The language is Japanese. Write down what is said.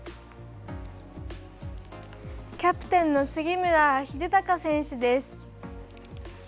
キャプテンの杉村英孝選手です。